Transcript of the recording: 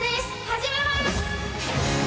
始めます！